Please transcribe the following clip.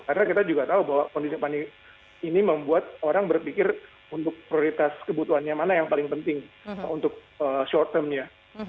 karena kita juga tahu bahwa kondisi pandemi ini membuat orang berpikir untuk prioritas kebutuhannya mana yang paling penting untuk short term ya